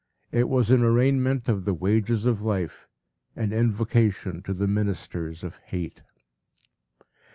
It was an arraignment of the wages of life, an invocation to the ministers of hate.